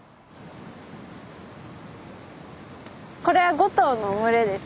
これは５頭の群れです。